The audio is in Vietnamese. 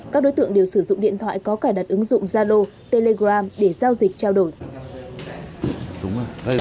các đối tượng đều sử dụng điện thoại có cài đặt ứng dụng zalo telegram để giao dịch trao đổi